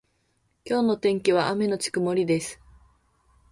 今日の天気は雨のち曇りです。